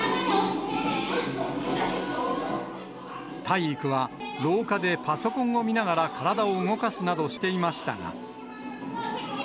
体育は、廊下でパソコンを見ながら体を動かすなどしていましたが。